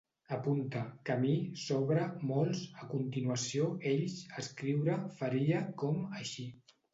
Apunta: camí, sobre, molts, a continuació, ells, escriure, faria, com, així